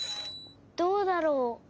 どうだろう？